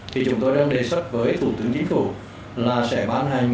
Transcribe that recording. thì chúng tôi đang đề xuất với thủ tướng chính phủ là sẽ bán hành